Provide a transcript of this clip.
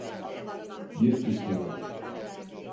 Bir kısmını.